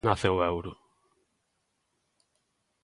Nace o Euro.